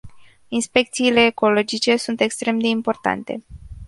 Inspecțiile ecologice sunt extrem de importante.